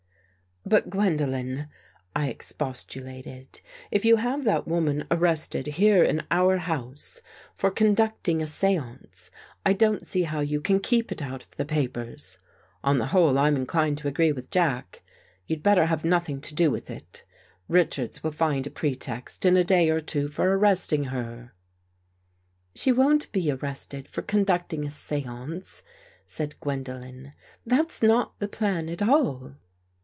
" But, Gwendolen," I expostulated, " if you have that woman arrested here in our house for conduct III THE GHOST GIRL mg a seance, I don't see how you can keep it out of the papers. On the whole, I'm inclined to agree with Jack. You'd better have nothing to do with it. Richards will find a pretext in a day or two for ar resting her." " She won't be arrested for conducting a seance," said Gwendolen. " That's not the plan at all."